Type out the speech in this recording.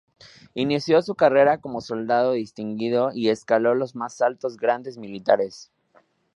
Inició su carrera como soldado distinguido y escaló los más altos grados militares.